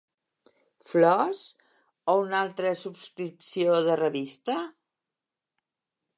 Flors? O una altra subscripció de revista?